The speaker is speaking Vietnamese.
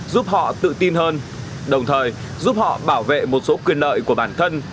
giúp họ tự tin hơn đồng thời giúp họ bảo vệ một số quyền lợi của bản thân